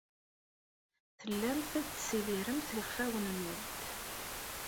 Tellamt tessidiremt iɣfawen-nwent.